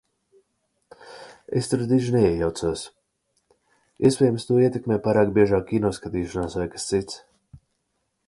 Es tur diži neiejaucos. Iespējams, to ietekmē pārāk biežā kino skatīšanās vai kas cits.